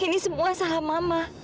ini semua salah mama